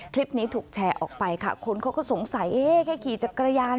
คลิปนี้ถูกแชร์ออกไปค่ะคนเขาก็สงสัยเอ๊ะแค่ขี่จักรยาน